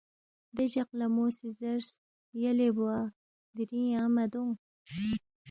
دے جق لہ مو سی زیرس، یلے بوا دِرِنگ یانگ مہ دونگ